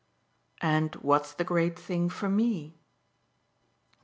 "And what's the great thing for ME?"